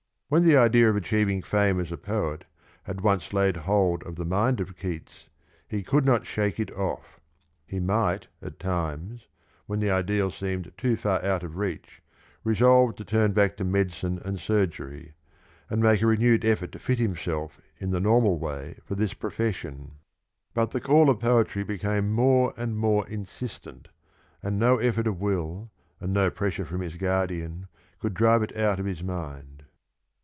When the idea of achieving fame as a poet had once laid hold of the mind of Keats he could not shake it off : he might at times, when the ideal seemed too far out of reach, resolve to turn back to medicine and surgery, and make a renewed effort to fit himself in the normal way for this profession; but the call of poetry became more and more insistent, and no effort of will, and no pressure from his guardian could drive it out of his mind.